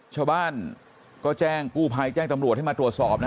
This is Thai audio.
ชาวบ้านก็แจ้งกู้ภัยแจ้งตำรวจให้มาตรวจสอบนะ